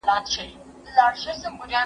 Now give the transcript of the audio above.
ښوونځي د نجونو اعتماد رامنځته کوي.